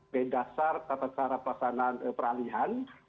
dari dasar tata cara pelaksanaan peralihan